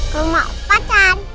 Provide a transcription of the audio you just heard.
ke rumah opacan